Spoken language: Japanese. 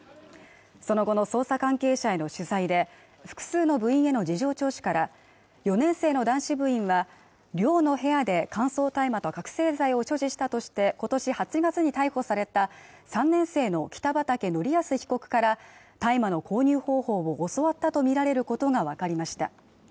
その後の捜査関係者への取材で複数の部員への事情聴取から４年生の男子部員は寮の部屋で乾燥大麻と覚醒剤を所持したとしてことし８月に逮捕された３年生の北畠成文被告から大麻の購入方法を教わったとみられることが分かりました